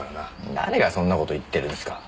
誰がそんな事を言ってるんすか。